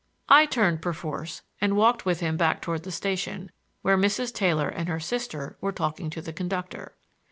I turned perforce, and walked with him back toward the station, where Mrs. Taylor and her sister were talking to the conductor.